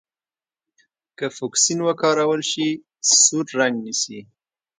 که فوکسین وکارول شي سور رنګ نیسي.